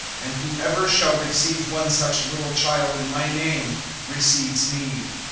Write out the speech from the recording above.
(5)And whoever shall receive one such little child, in my name, receives me.